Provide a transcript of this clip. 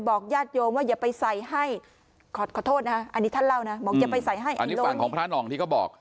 บอกอย่าไปใส่ให้อันนี้อันนี้ฝั่งของพระนองที่เขาบอก